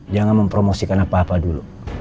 jangan mempromosikan apa apa dulu